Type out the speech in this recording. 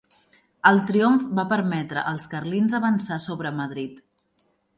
El triomf va permetre als carlins avançar sobre Madrid.